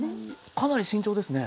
かなり慎重ですね。